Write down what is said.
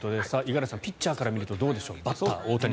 五十嵐さん、ピッチャーから見るとどうでしょう。